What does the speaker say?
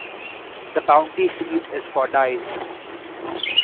The county seat is Fordyce.